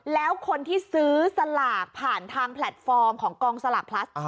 แล้วคนที่ซื้อสลากผ่านทางแพลตฟอร์มของกองสลากพลัส